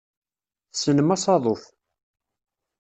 Tessnem asaḍuf.